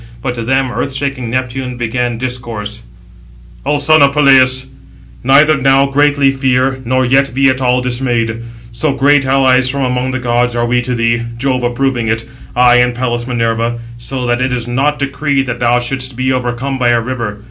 But to them earth shaking Neptune began discourse: "O son of Peleus, neither now greatly fear, nor yet be at all dismayed; so great allies from among the gods are we to thee, Jove approving it, I and Pallas Minerva, so that it is not decreed that thou shouldst be overcome by a river.